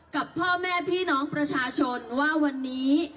กับพ่อแม่พี่น้องประชาชนว่าวันนี้